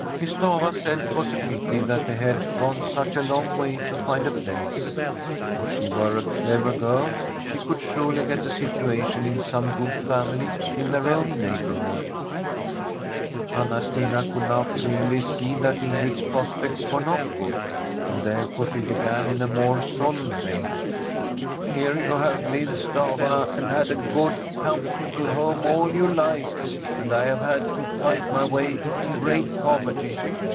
Miss Stafva said it was a pity that they had gone such a long way to find a place. If she were a clever girl, she could surely get a situation in some good family in their own neighbourhood. Anna Stina could now clearly see that Ingrid's prospects were not good, and therefore she began in a more solemn vein :' Here you have lived, Stafva, and had a good, comfortable home all your life, and I have had to fight my way in great poverty.